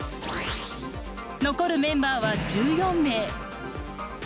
残るメンバーは１４名。